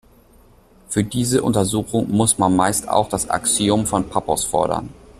Für diese Untersuchungen muss man meist auch das Axiom von Pappos fordern.